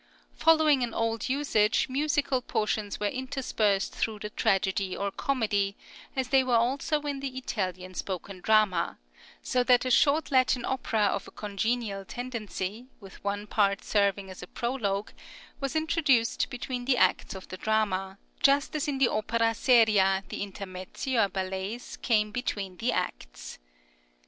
Following an old usage, musical portions were interspersed through the tragedy or comedy, as they were also in the Italian spoken drama, so that a short Latin opera of a congenial tendency, with one part serving as a prologue, was introduced between the acts of the drama, just as in the opera seria the intermezzi or ballets came between the acts.